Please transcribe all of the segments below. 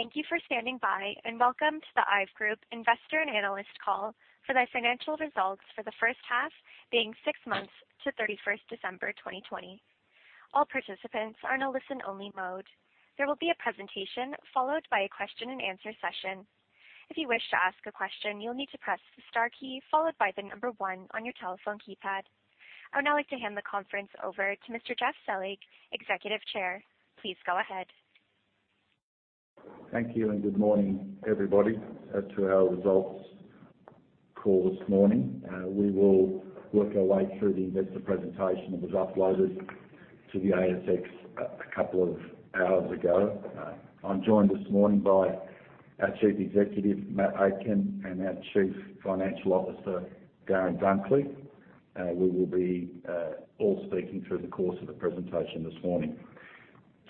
Thank you for standing by, and welcome to the IVE Group investor and analyst call for their financial results for the first half, being six months to 31st December 2020. All participants are in a listen-only mode. There will be a presentation followed by a question and answer session. If you wish to ask a question, you'll need to press the star key followed by the number one on your telephone keypad. I would now like to hand the conference over to Mr. Geoff Selig, Executive Chair. Please go ahead. Thank you, good morning, everybody, to our results call this morning. We will work our way through the investor presentation that was uploaded to the ASX a couple of hours ago. I'm joined this morning by our Chief Executive, Matt Aitken, and our Chief Financial Officer, Darren Dunkley. We will be all speaking through the course of the presentation this morning.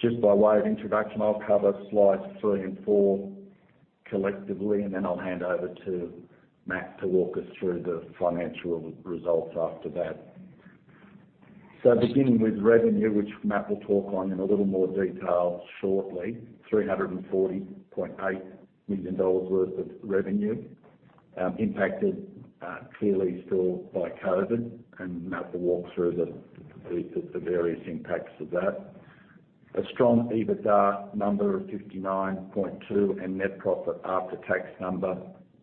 Just by way of introduction, I'll cover slides three and four collectively, then I'll hand over to Matt to walk us through the financial results after that. Beginning with revenue, which Matt will talk on in a little more detail shortly, 340.8 million dollars worth of revenue impacted clearly still by COVID, Matt will walk through the various impacts of that. A strong EBITDA number of 59.2 million and net profit after tax number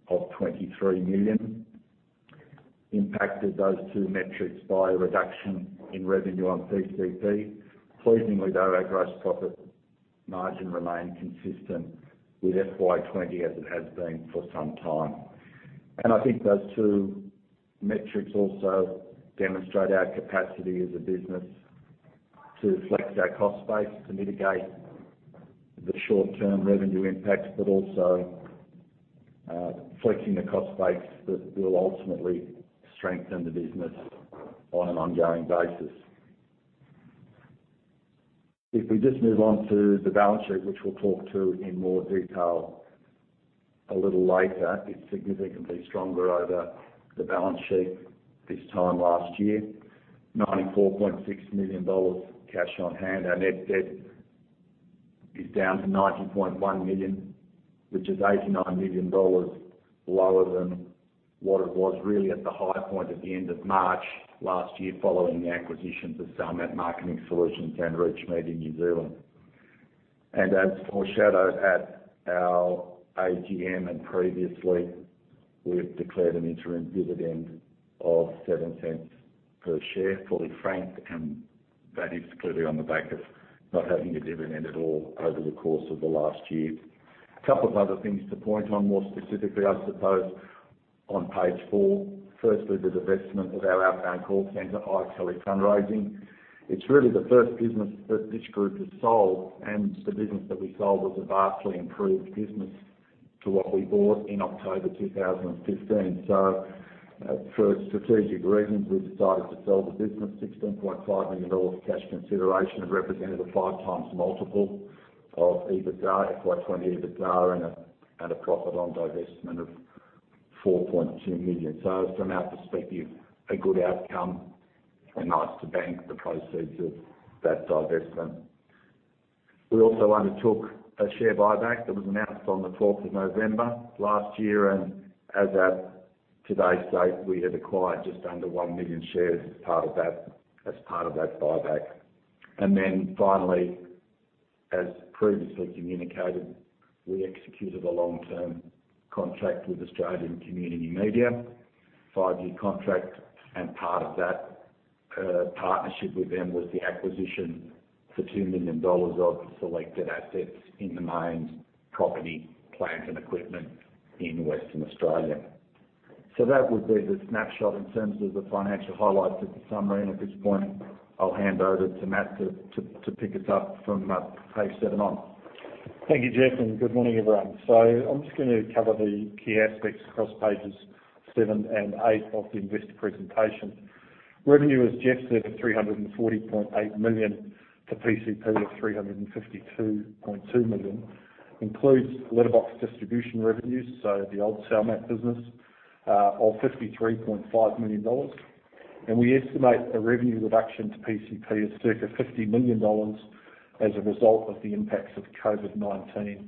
of 23 million impacted those two metrics by a reduction in revenue on PCP. Pleasingly, though, our gross profit margin remained consistent with FY 2020 as it has been for some time. I think those two metrics also demonstrate our capacity as a business to flex our cost base to mitigate the short-term revenue impacts, but also flexing the cost base that will ultimately strengthen the business on an ongoing basis. If we just move on to the balance sheet, which we'll talk to in more detail a little later, it's significantly stronger over the balance sheet this time last year. 94.6 million dollars cash on hand. Our net debt is down to 90.1 million, which is 89 million dollars lower than what it was really at the high point at the end of March last year, following the acquisitions of Salmat Marketing Solutions and Reach Media in New Zealand. As foreshadowed at our AGM and previously, we've declared an interim dividend of 0.07 per share, fully franked. That is clearly on the back of not having a dividend at all over the course of the last year. A couple of other things to point on more specifically, I suppose, on page four. Firstly, the divestment of our outbound call center, IVE Tele-fundraising. It's really the first business that this group has sold. The business that we sold was a vastly improved business to what we bought in October 2015. For strategic reasons, we've decided to sell the business. AUD 16.5 million cash consideration. It represented a 5x multiple of FY 2020 EBITDA and a profit on divestment of 4.2 million. From our perspective, a good outcome and nice to bank the proceeds of that divestment. We also undertook a share buyback that was announced on the 4th of November last year, and as at today's date, we have acquired just under 1 million shares as part of that buyback. Finally, as previously communicated, we executed a long-term contract with Australian Community Media, five-year contract, and part of that partnership with them was the acquisition for 2 million dollars of selected assets in the mines, property, plant, and equipment in Western Australia. That would be the snapshot in terms of the financial highlights of the summary, and at this point, I'll hand over to Matt to pick us up from page seven on. Thank you, Geoff, and good morning, everyone. I'm just going to cover the key aspects across pages seven and eight of the investor presentation. Revenue, as Geoff said, of 340.8 million to PCP of 352.2 million includes letterbox distribution revenues, so the old Salmat business, of AUD 53.5 million. We estimate the revenue reduction to PCP of circa AUD 50 million as a result of the impacts of COVID-19,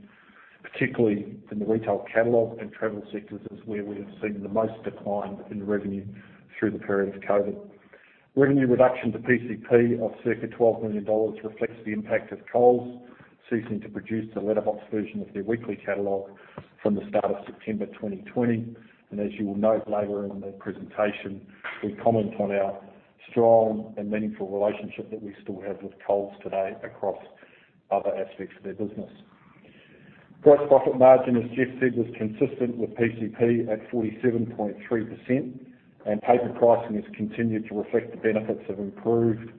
particularly in the retail catalog and travel sectors is where we have seen the most decline in revenue through the period of COVID. Revenue reduction to PCP of circa 12 million dollars reflects the impact of Coles ceasing to produce the letterbox version of their weekly catalog from the start of September 2020. As you will note later in the presentation, we comment on our strong and meaningful relationship that we still have with Coles today across other aspects of their business. Gross profit margin, as Geoff said, was consistent with PCP at 47.3%, and paper pricing has continued to reflect the benefits of improved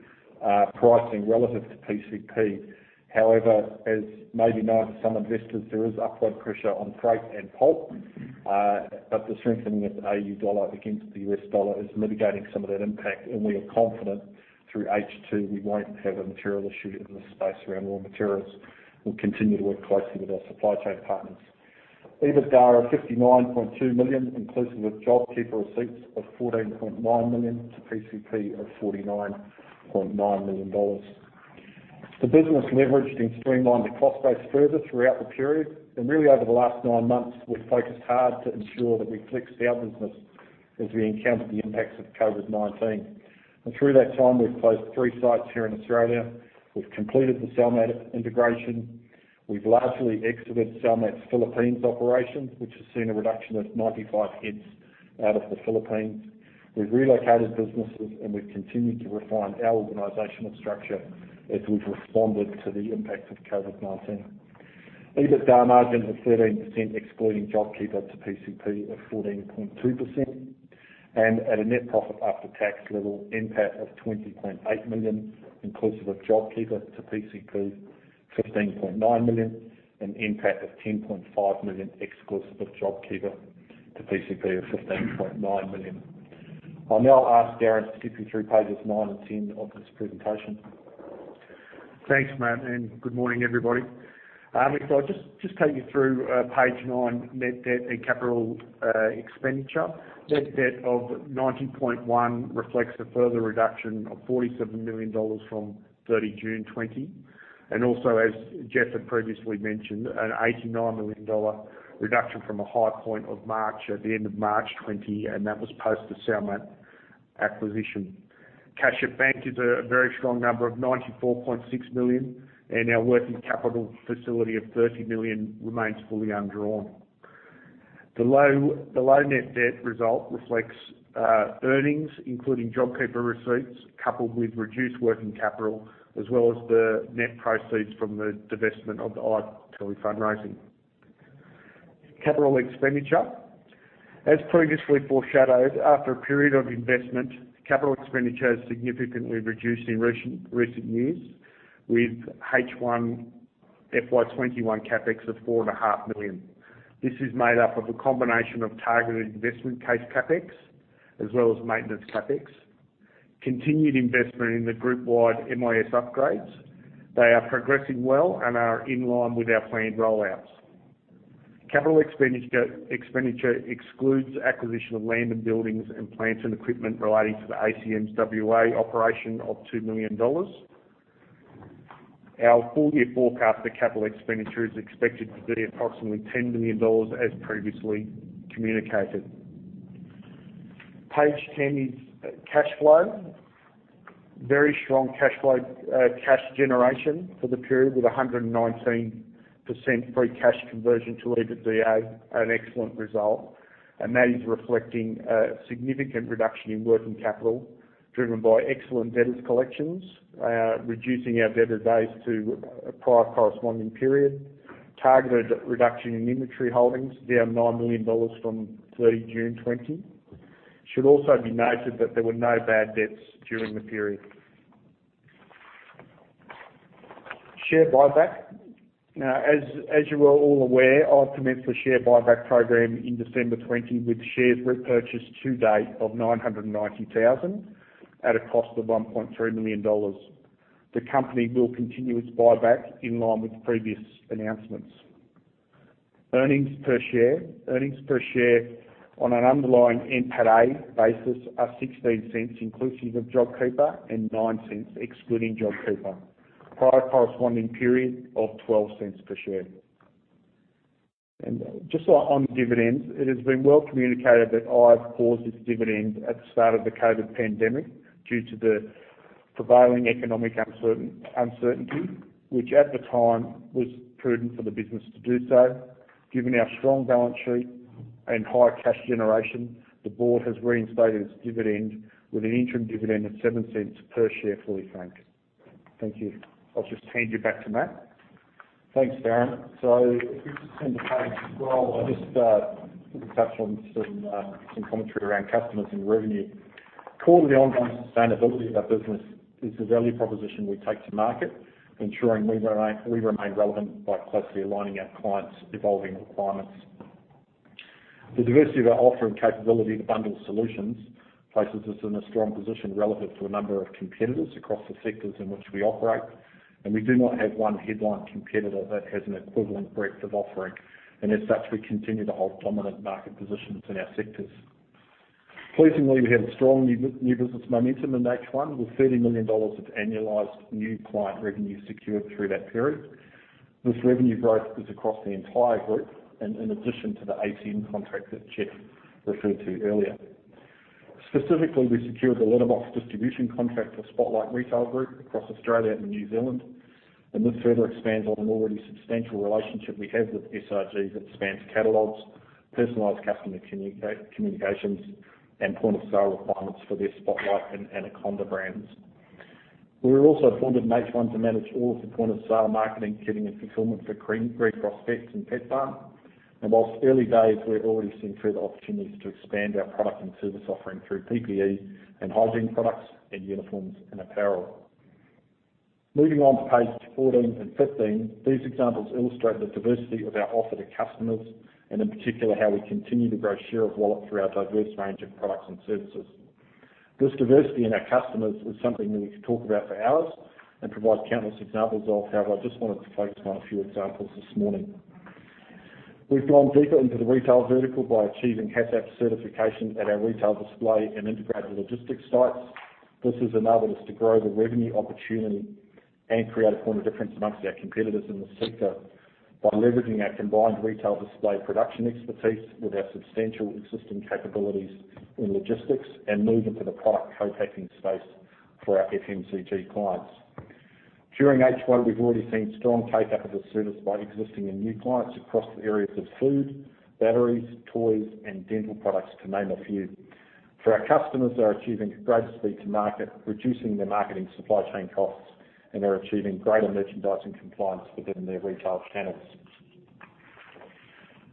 pricing relative to PCP. As may be known to some investors, there is upward pressure on freight and pulp. The strengthening of the AUD against the USD is mitigating some of that impact, and we are confident through H2 we won't have a material issue in this space around raw materials. We'll continue to work closely with our supply chain partners. EBITDA of 59.2 million, inclusive of JobKeeper receipts of 14.9 million to PCP of 49.9 million dollars. The business leveraged and streamlined the cost base further throughout the period. Really over the last nine months, we've focused hard to ensure that we flex our business as we encounter the impacts of COVID-19. Through that time, we've closed three sites here in Australia. We've completed the Salmat integration. We've largely exited Salmat's Philippines operations, which has seen a reduction of 95 heads out of the Philippines. We've relocated businesses, and we've continued to refine our organizational structure as we've responded to the impacts of COVID-19. EBITDA margins of 13%, excluding JobKeeper to PCP of 14.2%. At a net profit after tax level, NPAT of 20.8 million inclusive of JobKeeper to PCP 15.9 million and NPAT of 10.5 million exclusive of JobKeeper to PCP of 15.9 million. I'll now ask Darren to take you through pages nine and 10 of this presentation. Thanks, Matt, and good morning, everybody. If I just take you through page nine, net debt and capital expenditure. Net debt of 90.1 reflects a further reduction of 47 million dollars from 30 June 2020, and also, as Geoff had previously mentioned, an 89 million dollar reduction from a high point of March at the end of March 2020, and that was post the Salmat acquisition. Cash at bank is a very strong number of 94.6 million, and our working capital facility of 30 million remains fully undrawn. The low net debt result reflects earnings, including JobKeeper receipts, coupled with reduced working capital, as well as the net proceeds from the divestment of the IVE Tele-fundraising. Capital expenditure. As previously foreshadowed, after a period of investment, capital expenditure has significantly reduced in recent years with H1 FY 2021 CapEx of 4.5 million. This is made up of a combination of targeted investment case CapEx as well as maintenance CapEx. Continued investment in the group-wide MIS upgrades. They are progressing well and are in line with our planned rollouts. Capital expenditure excludes acquisition of land and buildings and plants and equipment relating to the ACM's WA operation of 2 million dollars. Our full-year forecast for capital expenditure is expected to be approximately 10 million dollars, as previously communicated. Page 10 is cash flow. Very strong cash flow cash generation for the period, with 119% free cash conversion to EBITDA, an excellent result. That is reflecting a significant reduction in working capital driven by excellent debtors collections, reducing our debtor days to a prior corresponding period. Targeted reduction in inventory holdings down 9 million dollars from 30 June 2020. It should also be noted that there were no bad debts during the period. Share buyback. As you are all aware, I've commenced a share buyback program in December 2020, with shares repurchased to date of 990,000 at a cost of 1.3 million dollars. The company will continue its buyback in line with previous announcements. Earnings per share. Earnings per share on an underlying NPATA basis are 0.16 inclusive of JobKeeper and 0.09 excluding JobKeeper. Prior corresponding period of 0.12 per share. Just on dividends, it has been well communicated that IVE paused its dividend at the start of the COVID pandemic due to the prevailing economic uncertainty, which at the time was prudent for the business to do so. Given our strong balance sheet and high cash generation, the board has reinstated its dividend with an interim dividend of 0.07 per share fully franked. Thank you. I'll just hand you back to Matt. Thanks, Darren. If you just turn to page 12, I'll just touch on some commentary around customers and revenue. Core to the ongoing sustainability of our business is the value proposition we take to market, ensuring we remain relevant by closely aligning our clients' evolving requirements. The diversity of our offering capability to bundle solutions places us in a strong position relative to a number of competitors across the sectors in which we operate. We do not have one headline competitor that has an equivalent breadth of offering. As such, we continue to hold dominant market positions in our sectors. Pleasingly, we had strong new business momentum in H1, with AUD 30 million of annualized new client revenue secured through that period. This revenue growth is across the entire group and in addition to the ACM contract that Geoff referred to earlier. Specifically, we secured the letterbox distribution contract for Spotlight Retail Group across Australia and New Zealand. This further expands on an already substantial relationship we have with SRG that spans catalogs, personalized customer communications, and point-of-sale requirements for their Spotlight and Anaconda brands. We were also appointed in H1 to manage all of the point-of-sale marketing, kitting and fulfillment for Greencross Vets and Petbarn. Whilst early days, we've already seen further opportunities to expand our product and service offering through PPE and hygiene products and uniforms and apparel. Moving on to pages 14 and 15, these examples illustrate the diversity of our offer to customers and in particular, how we continue to grow share of wallet through our diverse range of products and services. This diversity in our customers is something that we could talk about for hours and provide countless examples of. I just wanted to focus on a few examples this morning. We've gone deeper into the retail vertical by achieving HACCP certification at our retail display and integrated logistics sites. This has enabled us to grow the revenue opportunity and create a point of difference amongst our competitors in the sector by leveraging our combined retail display production expertise with our substantial existing capabilities in logistics and move into the product co-packing space for our FMCG clients. During H1, we've already seen strong take-up of the service by existing and new clients across the areas of food, batteries, toys, and dental products, to name a few. For our customers, they are achieving greater speed to market, reducing their marketing supply chain costs, and they're achieving greater merchandising compliance within their retail channels.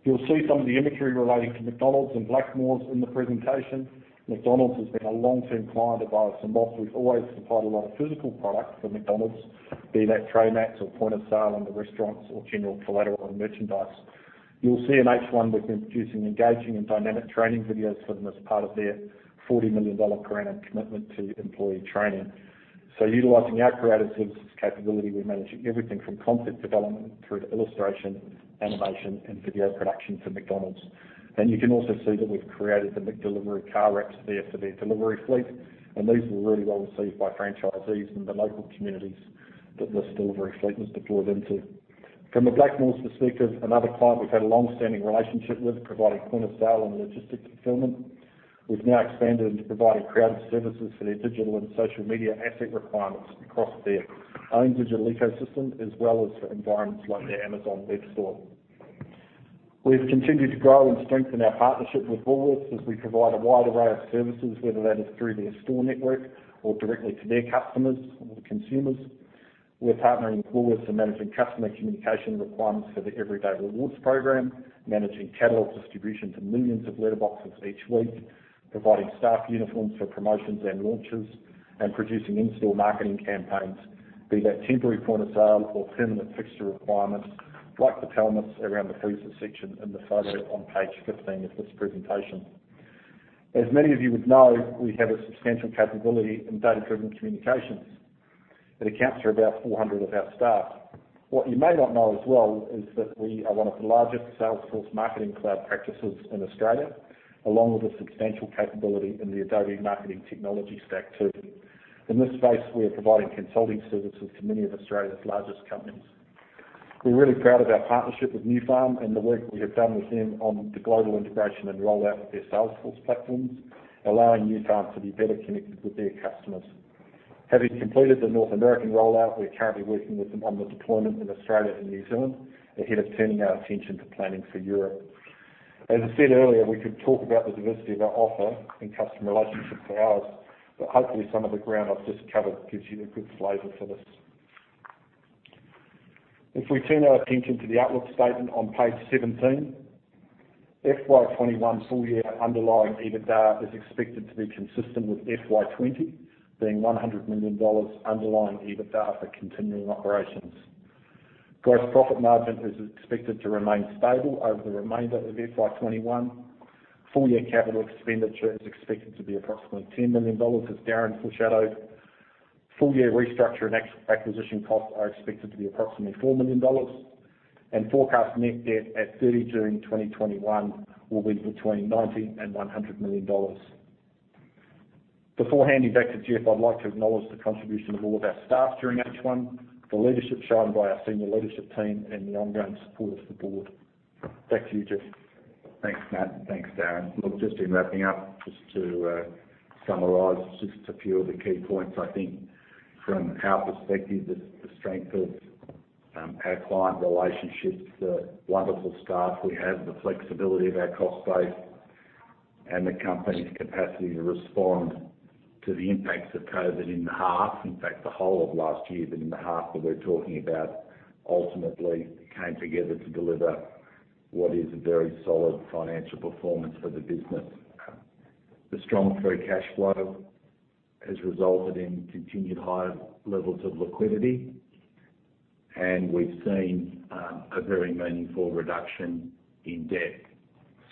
You'll see some of the imagery relating to McDonald's and Blackmores in the presentation. McDonald's has been a long-term client of ours, whilst we've always supplied a lot of physical product for McDonald's, be that tray mats or point of sale in the restaurants or general collateral and merchandise. You'll see in H1, we've been producing engaging and dynamic training videos for them as part of their 40 million dollar per annum commitment to employee training. Utilizing our creative services capability, we're managing everything from concept development through to illustration, animation, and video production for McDonald's. You can also see that we've created the McDelivery car wraps there for their delivery fleet, and these were really well received by franchisees and the local communities that this delivery fleet was deployed into. From a Blackmores perspective, another client we've had a long-standing relationship with, providing point of sale and logistic fulfillment. We've now expanded into providing creative services for their digital and social media asset requirements across their own digital ecosystem, as well as for environments like their Amazon web store. We've continued to grow and strengthen our partnership with Woolworths as we provide a wide array of services, whether that is through their store network or directly to their customers or consumers. We're partnering Woolworths in managing customer communication requirements for the Everyday Rewards program, managing catalog distribution to millions of letterboxes each week, providing staff uniforms for promotions and launches, and producing in-store marketing campaigns, be that temporary point of sale or permanent fixture requirements like the pelmets around the freezer section in the photo on page 15 of this presentation. As many of you would know, we have a substantial capability in data-driven communications. It accounts for about 400 of our staff. What you may not know as well is that we are one of the largest Salesforce Marketing Cloud practices in Australia, along with a substantial capability in the Adobe marketing technology stack, too. In this space, we are providing consulting services to many of Australia's largest companies. We're really proud of our partnership with Nufarm and the work we have done with them on the global integration and rollout of their Salesforce platforms, allowing Nufarm to be better connected with their customers. Having completed the North American rollout, we're currently working with them on the deployment in Australia and New Zealand ahead of turning our attention to planning for Europe. As I said earlier, we could talk about the diversity of our offer and customer relationships for hours, but hopefully some of the ground I've just covered gives you a good flavor for this. If we turn our attention to the outlook statement on page 17, FY 2021 full year underlying EBITDA is expected to be consistent with FY 2020, being 100 million dollars underlying EBITDA for continuing operations. Gross profit margin is expected to remain stable over the remainder of FY 2021. Full year capital expenditure is expected to be approximately 10 million dollars, as Darren foreshadowed. Full year restructure and acquisition costs are expected to be approximately 4 million dollars, and forecast net debt at 30 June 2021 will be between 90 million and 100 million dollars. Before handing back to Geoff, I'd like to acknowledge the contribution of all of our staff during H1, the leadership shown by our senior leadership team, and the ongoing support of the board. Back to you, Geoff. Thanks, Matt. Thanks, Darren. Look, just in wrapping up, just to summarize just a few of the key points. I think from our perspective, the strength of our client relationships, the wonderful staff we have, the flexibility of our cost base, and the company's capacity to respond to the impacts of COVID in the half. In fact, the whole of last year, but in the half that we're talking about, ultimately came together to deliver what is a very solid financial performance for the business. The strong free cash flow has resulted in continued high levels of liquidity, and we've seen a very meaningful reduction in debt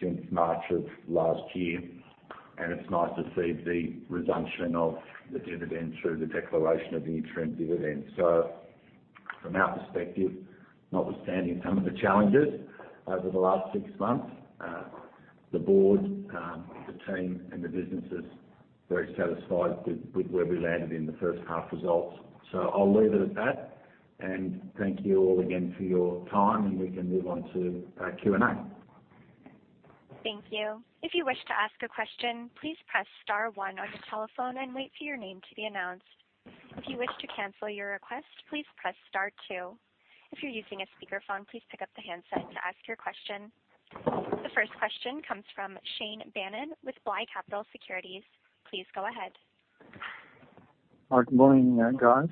since March of last year, and it's nice to see the resumption of the dividend through the declaration of the interim dividend. From our perspective, notwithstanding some of the challenges over the last six months, the board, the team, and the business is very satisfied with where we landed in the first half results. I'll leave it at that, and thank you all again for your time, and we can move on to Q&A. The first question comes from Shane Bannan with Bligh Capital Securities. Please go ahead. All right. Good morning, guys.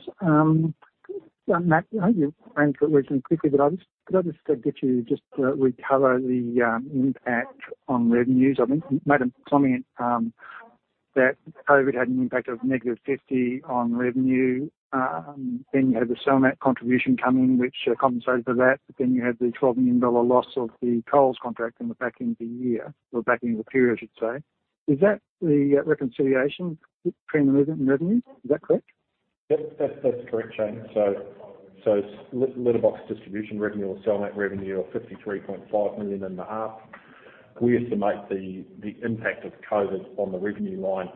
Matt, I know you ran through it recently quickly, but could I just get you just to recover the impact on revenues? I think you made a comment that COVID had an impact of negative 50 on revenue. You had the Salmat contribution come in, which compensated for that. You had the 12 million dollar loss of the Coles contract in the back end of the year or back end of the period, I should say. Is that the reconciliation between the revenue? Is that correct? That's correct, Shane. Letterbox distribution revenue or Salmat revenue of 53.5 million in the half. We estimate the impact of COVID on the revenue line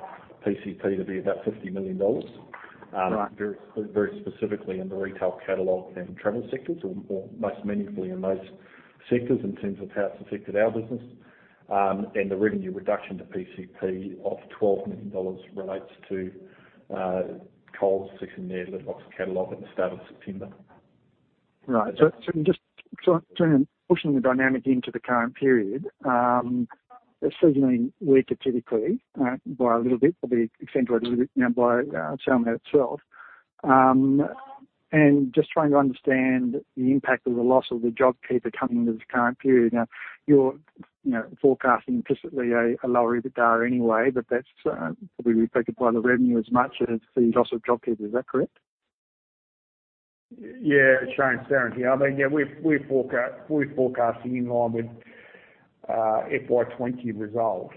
PCP to be about 50 million dollars. Right. Very specifically in the retail catalog and travel sectors or most meaningfully in those sectors in terms of how it's affected our business. The revenue reduction to PCP of 12 million dollars relates to Coles ceasing their letterbox catalog at the start of September. Right. Just pushing the dynamic into the current period, it's seasonally weaker typically, by a little bit, probably exaggerated a little bit now by Salmat itself. Just trying to understand the impact of the loss of the JobKeeper coming into this current period. You're forecasting implicitly a lower EBITDA anyway, but that's probably reflected by the revenue as much as the loss of JobKeeper. Is that correct? Yeah, Shane. Darren here. We're forecasting in line with FY 2020 results.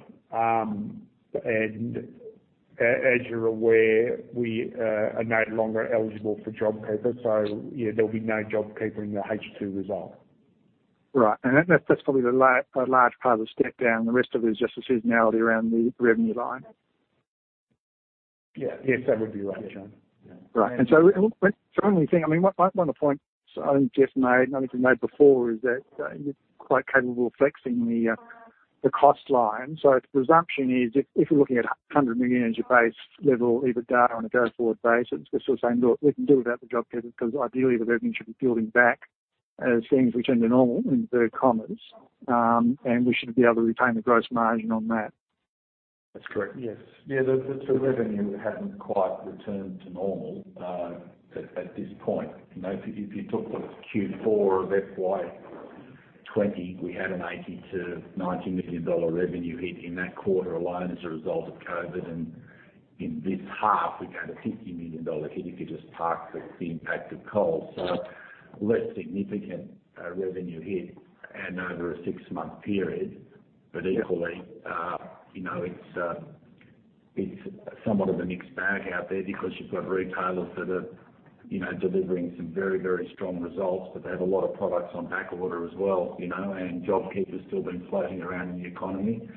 As you're aware, we are no longer eligible for JobKeeper. There'll be no JobKeeper in the H2 result. Right. That's probably the large part of the step down. The rest of it is just the seasonality around the revenue line. Yes, that would be right, Shane. Yeah. Right. Finally, Matt, one of the points Darren just made and I think you made before, is that you're quite capable of flexing the cost line. The assumption is if we're looking at 100 million as your base level EBITDA on a go-forward basis, we're sort of saying, look, we can do without the JobKeeper because ideally the revenue should be building back as things return to normal, in inverted commas, and we should be able to retain the gross margin on that. That's correct, yes. Yeah. The revenue hasn't quite returned to normal, at this point. If you talk about Q4 of FY 2020, we had an 80 million-90 million dollar revenue hit in that quarter alone as a result of COVID. In this half, we've had an 50 million dollar hit if you just park the impact of COVID. Equally, it's somewhat of a mixed bag out there because you've got retailers that are delivering some very, very strong results, but they have a lot of products on backorder as well. JobKeeper's still been floating around in the economy.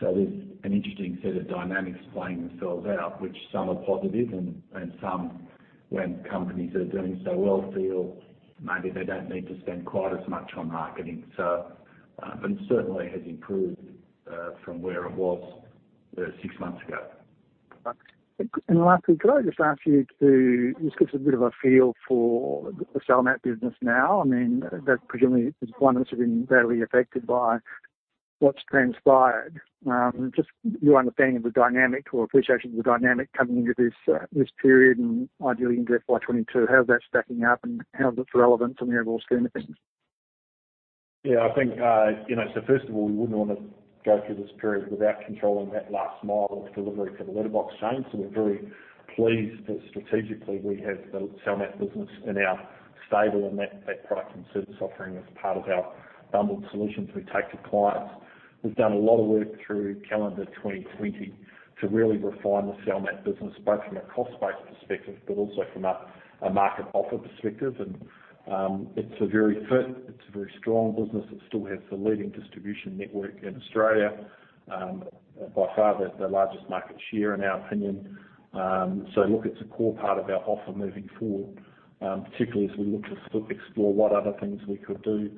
There's an interesting set of dynamics playing themselves out, which some are positive and some, when companies are doing so well, feel maybe they don't need to spend quite as much on marketing. It certainly has improved from where it was six months ago. Right. Lastly, could I just ask you to just give us a bit of a feel for the Salmat business now? That presumably is one that's been barely affected by what's transpired. Just your understanding of the dynamic or appreciation of the dynamic coming into this period and ideally into FY 2022. How's that stacking up and how is it relevant in the overall scheme of things? Yeah. First of all, we wouldn't want to go through this period without controlling that last mile of delivery for the letterbox chain. We're very pleased that strategically we have the Salmat business in our stable and that product and service offering as part of our bundled solutions we take to clients. We've done a lot of work through calendar 2020 to really refine the Salmat business, both from a cost-based perspective, but also from a market offer perspective. It's a very fit, it's a very strong business that still has the leading distribution network in Australia. By far, the largest market share, in our opinion. It's a core part of our offer moving forward, particularly as we look to explore what other things we could do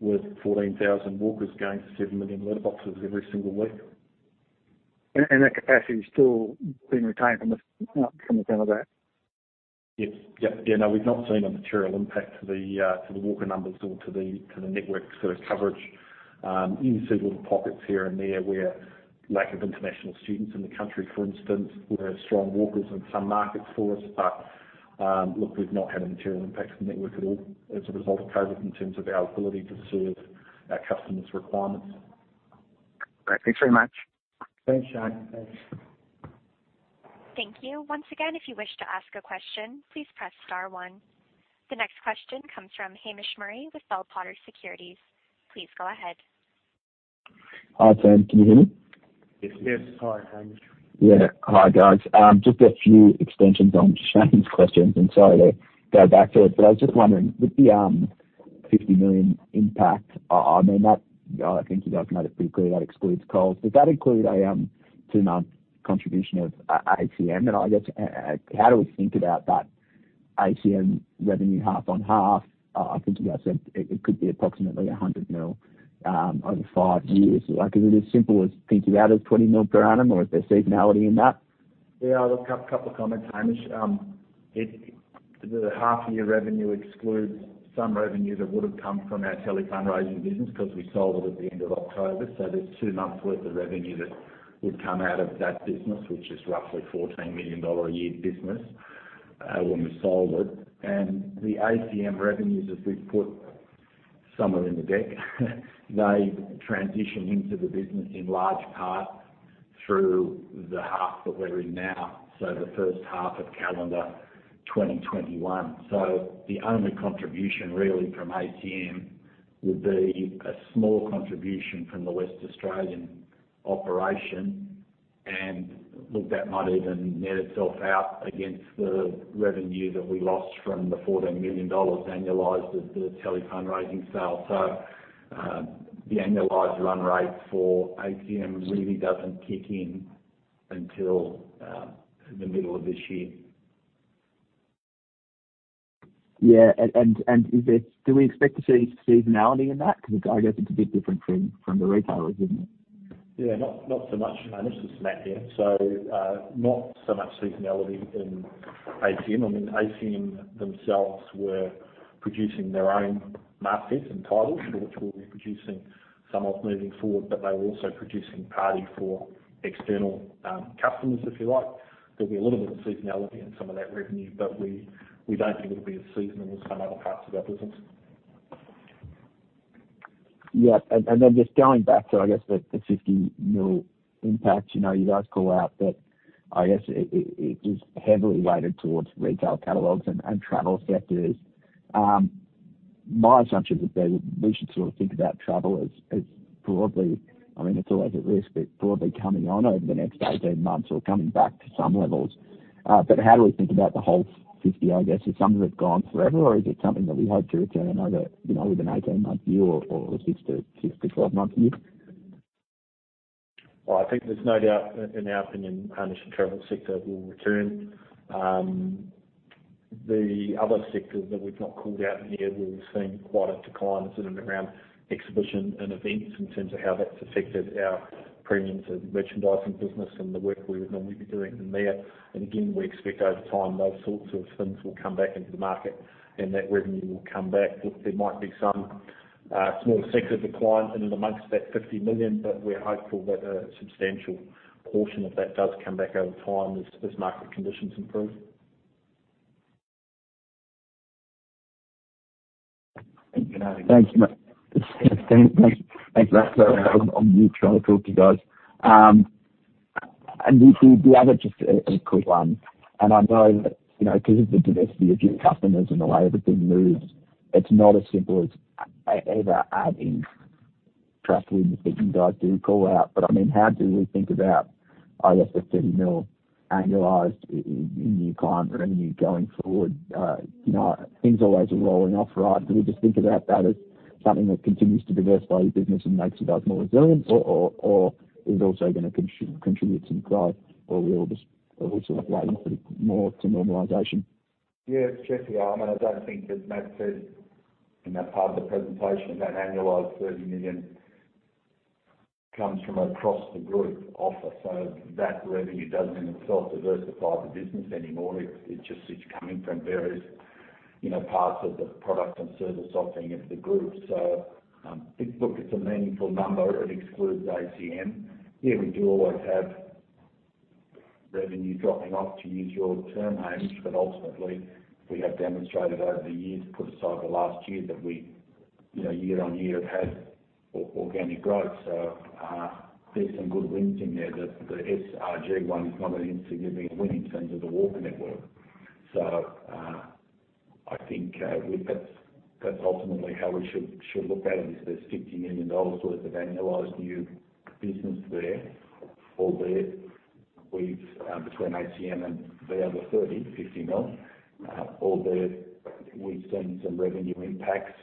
with 14,000 walkers going to 7 million letter boxes every single week. That capacity is still being retained from the coming out of that? Yes. No, we've not seen a material impact to the walker numbers or to the network coverage. You see little pockets here and there where lack of international students in the country, for instance, were strong walkers in some markets for us. Look, we've not had a material impact on the network at all as a result of COVID-19 in terms of our ability to serve our customers' requirements. Great. Thanks very much. Thanks, Shane. Thanks. Thank you. Once again, if you wish to ask a question, please press star one. The next question comes from Hamish Murray with Bell Potter Securities. Please go ahead. Hi, team. Can you hear me? Yes. Yes. Hi, Hamish. Yeah. Hi, guys. Just a few extensions on Shane's questions and sorry to go back to it. I was just wondering with the 50 million impact, I think you guys made it pretty clear that excludes Coles. Does that include a two-month contribution of ACM? I guess how do we think about that ACM revenue half on half? I think you guys said it could be approximately 100 million, over five years. Is it as simple as thinking about it as 20 million per annum or is there seasonality in that? Yeah. Look, a couple of comments, Hamish. The half year revenue excludes some revenue that would've come from our tele fundraising business because we sold it at the end of October. There's two months worth of revenue that would come out of that business, which is roughly 14 million dollars a year business, when we sold it. The ACM revenues, as we've put somewhere in the deck they transition into the business in large part through the half that we're in now. The first half of calendar 2021. The only contribution really from ACM Would be a small contribution from the West Australian operation, and look, that might even net itself out against the revenue that we lost from the 14 million dollars annualized of the Tele-fundraising sale. The annualized run rate for ACM really doesn't kick in until the middle of this year. Yeah. Do we expect to see seasonality in that? Because I guess it's a bit different from the retailers, isn't it? Yeah, not so much, Hamish. It's Matt here. Not so much seasonality in ACM. I mean, ACM themselves were producing their own mastheads and titles, which we'll be producing some of moving forward, but they were also producing partly for external customers, if you like. There'll be a little bit of seasonality in some of that revenue, but we don't think it'll be as seasonal as some other parts of our business. Yeah. Just going back to, I guess, the 50 million impact, you guys call out that, I guess it is heavily weighted towards retail catalogs and travel sectors. My assumption is that we should sort of think about travel as I mean, it's always at risk, but probably coming on over the next 18 months or coming back to some levels. How do we think about the whole 50, I guess? Is some of it gone forever or is it something that we hope to return over with an 18-month view or a six to 12 month view? Well, I think there's no doubt that in our opinion, Hamish, the travel sector will return. The other sectors that we've not called out here, we've seen quite a decline sitting around exhibition and events in terms of how that's affected our premiums and merchandising business and the work we would normally be doing in there. Again, we expect over time, those sorts of things will come back into the market and that revenue will come back. Look, there might be some small sectors decline in and amongst that 50 million, we're hopeful that a substantial portion of that does come back over time as market conditions improve. Thank you, Matt. Thanks for that. I am on mute trying to talk to you guys. The other, just a quick one, and I know that because of the diversity of your customers and the way everything moves, it is not as simple as ever having trust in the things you guys do call out. I mean, how do we think about, I guess the AUD 30 million annualized in decline for revenue going forward? Things always are rolling off, right? Do we just think about that as something that continues to diversify your business and makes you guys more resilient, or is also going to contribute some growth or we all just waiting for more to normalization? Yeah. It's Geoff here. I mean, I don't think, as Matt said in that part of the presentation, that annualized 30 million comes from across the group offer. That revenue doesn't in itself diversify the business anymore. It just is coming from various parts of the product and service offering of the group. Look, it's a meaningful number. It excludes ACM. Yeah, we do always have revenue dropping off, to use your term, Hamish. Ultimately, we have demonstrated over the years, put aside the last year, that we year-on-year have had organic growth. There's some good wins in there. The SRG one is not an insignificant win in terms of the Walker network. I think that's ultimately how we should look at it, is there's 50 million dollars worth of annualized new business there, albeit between ACM and the other 30 million, 50 million, albeit we've seen some revenue impacts.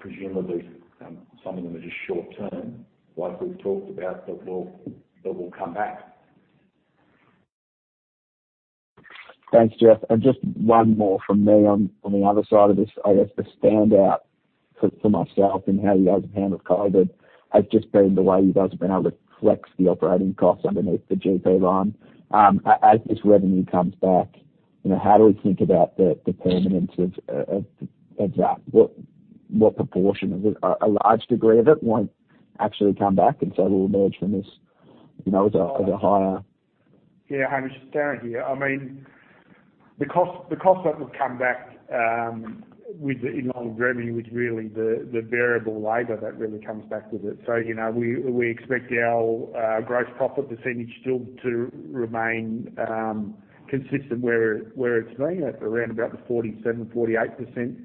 Presumably, some of them are just short-term, like we've talked about, that will come back. Thanks, Geoff. Just one more from me on the other side of this. I guess the standout for myself and how you guys have handled COVID has just been the way you guys have been able to flex the operating costs underneath the GP line. As this revenue comes back, how do we think about the permanence of that? What proportion of it, a large degree of it won't actually come back. We'll emerge from this as a higher. Yeah, Hamish. It's Darren here. I mean, the cost that would come back along with revenue is really the variable labor that really comes back with it. We expect our gross profit percentage still to remain consistent where it's been at around about the 47%-48%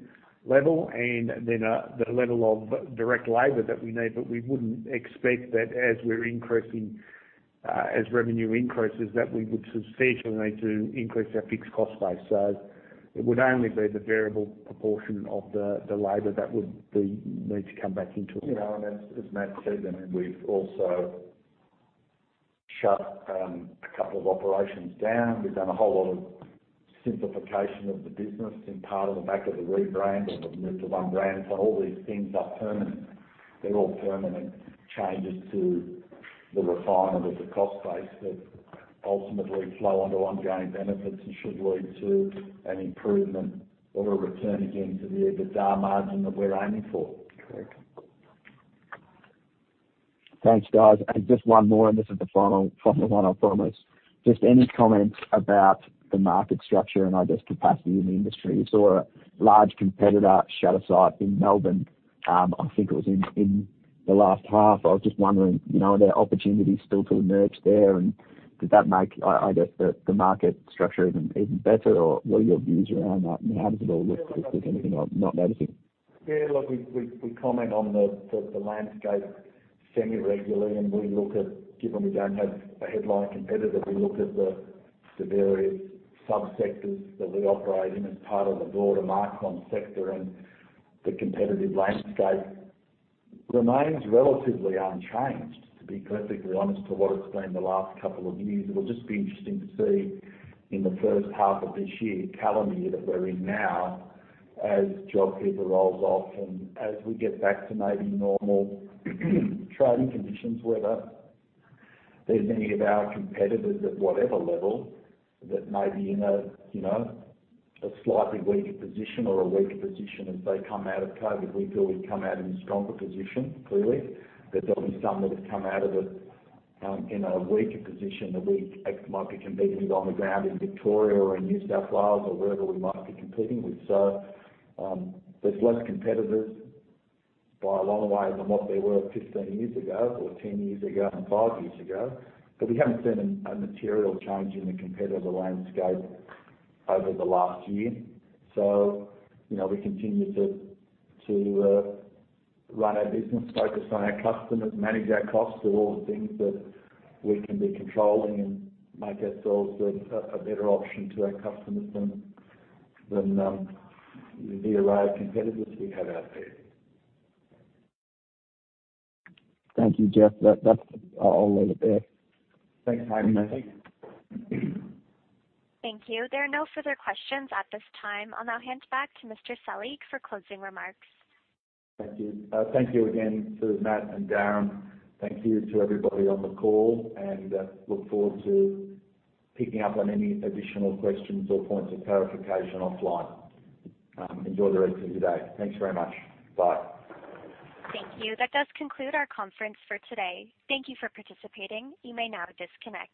level, and then the level of direct labor that we need. We wouldn't expect that as revenue increases, that we would substantially need to increase our fixed cost base. It would only be the variable proportion of the labor that would need to come back into it. As Matt said, I mean, we've also shut a couple of operations down. We've done a whole lot of simplification of the business in part on the back of the rebrand or the move to one brand. All these things are permanent. They're all permanent changes to the refinement of the cost base that ultimately flow onto ongoing benefits and should lead to an improvement or a return again to the EBITDA margin that we're aiming for. Correct. Thanks, guys. Just one more, and this is the final one, I promise. Just any comments about the market structure and I guess capacity in the industry? You saw a large competitor shut a site in Melbourne. I think it was in the last half. I was just wondering, are there opportunities still to emerge there, and did that make, I guess, the market structure even better, or what are your views around that? I mean, how does it all look? Is there anything I'm not noticing? Yeah, look, we comment on the landscape semi-regularly. Given we don't have a headline competitor, we look at the various sub-sectors that we operate in as part of the broader Marcomm sector. The competitive landscape remains relatively unchanged, to be perfectly honest, to what it's been the last couple of years. It will just be interesting to see in the first half of this year, calendar year that we're in now, as JobKeeper rolls off and as we get back to maybe normal trading conditions, whether there's any of our competitors at whatever level that may be in a slightly weaker position or a weaker position as they come out of COVID. We feel we've come out in a stronger position, clearly, but there'll be some that have come out of it in a weaker position that we might be competing on the ground in Victoria or in New South Wales or wherever we might be competing with. There's less competitors by a long way than what there were 15 years ago or 10 years ago and five years ago, but we haven't seen a material change in the competitive landscape over the last year. We continue to run our business, focus on our customers, manage our costs of all the things that we can be controlling and make ourselves a better option to our customers than the array of competitors we have out there. Thank you, Geoff. That's all I have there. Thanks, Matt. Thank you. There are no further questions at this time. I'll now hand back to Mr. Selig for closing remarks. Thank you. Thank you again to Matt and Darren. Thank you to everybody on the call. Look forward to picking up on any additional questions or points of clarification offline. Enjoy the rest of your day. Thanks very much. Bye. Thank you. That does conclude our conference for today. Thank you for participating. You may now disconnect.